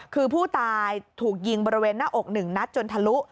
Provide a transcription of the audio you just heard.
คือผู้ตายถูกยิงบริเวณหน้าอกหนึ่งนัดจนทะลุ